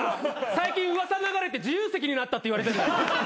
最近噂流れて自由席になったっていわれて。